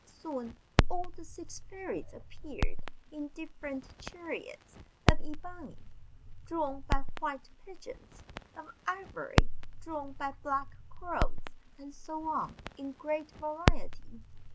Soon, all the six fairies appeared, in different chariots; of ebony, drawn by white pigeons of ivory, drawn by black crows, and so on, in great variety.